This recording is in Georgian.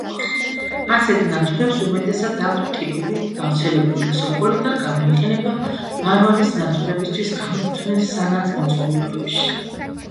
ასეთ ნათურებს უმეტესად აქვთ ტიპური, გავრცელებული ცოკოლი და გამოიყენება ვარვარის ნათურებისთვის განკუთვნილ სანათ მოწყობილობებში.